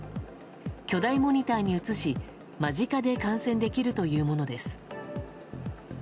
巨大モニターに映し間近で観戦できるというものです。